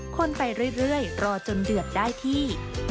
คนไปเรื่อยรอจนเดือดได้ที่